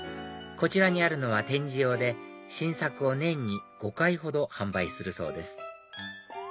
こちらにあるのは展示用で新作を年に５回ほど販売するそうです